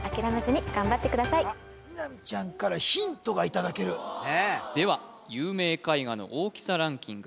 美波ちゃんからヒントがいただけるねえでは有名絵画の大きさランキング